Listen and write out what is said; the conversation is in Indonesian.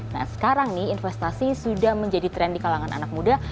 nah sekarang nih investasi sudah menjadi tren di kalangan anak muda